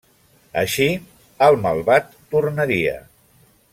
Així el malvat tornaria.